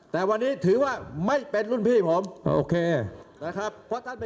แต่วันนี้ถือว่าไม่เป็นรุ่นพี่ของผม